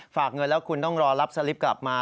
ฝากเงินแล้วคุณต้องรอรับสลิปกลับมา